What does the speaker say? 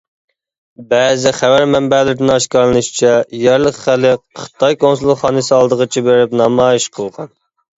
بەزى خەۋەر مەنبەلىرىدىن ئاشكارىلىنىشىچە يەرلىك خەلق خىتاي كونسۇل خانىسى ئالدىغىچە بېرىپ نامايىش قىلغان.